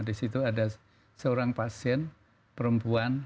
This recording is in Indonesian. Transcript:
di situ ada seorang pasien perempuan